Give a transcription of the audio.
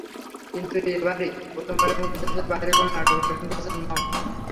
কিন্তু এবারই প্রথমবারের মতো দেশের বাইরে কোনো নাটকের শুটিং করছেন মম।